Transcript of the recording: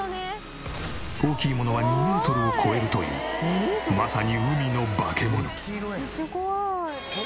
大きいものは２メートルを超えるというまさに海の化け物。